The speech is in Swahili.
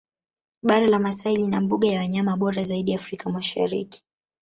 Bara la Maasai lina mbuga ya wanyama bora zaidi Afrika Mashariki